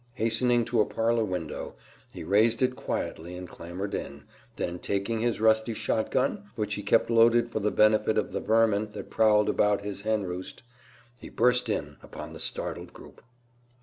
Hastening to a parlor window, he raised it quietly and clambered in; then taking his rusty shotgun, which he kept loaded for the benefit of the vermin that prowled about his hen roost, he burst in upon the startled group.